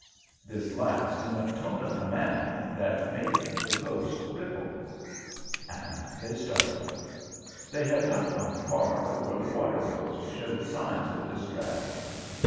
This last in a tone of command that made the ghost ripple. And they started. They had not gone far before the water ghost showed signs of distress.